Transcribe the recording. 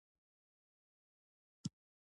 امکان یې نه و چې خپل کاري ځواک وپلوري.